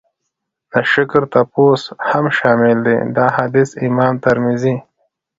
د شکر تپوس هم شامل دی. دا حديث امام ترمذي